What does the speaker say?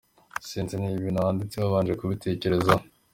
Sinzi niba ibintu wanditse wabanje kubitekerezaho.